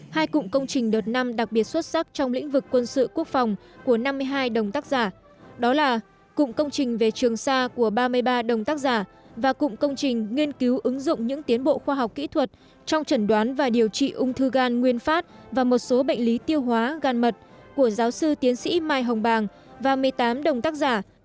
hai cụm công trình đột năm đặc biệt xuất sắc trong lĩnh vực quân sự quốc phòng của năm mươi hai đồng tác giả đó là cụm công trình về trường xa của ba mươi ba đồng tác giả và cụm công trình nghiên cứu ứng dụng những tiến bộ khoa học kỹ thuật trong trần đoán và điều trị ung thư gan nguyên phát và một số bệnh lý tiêu hóa gan mật của giáo sư tiến sĩ mai hồng bàng và một mươi tám đồng tác giả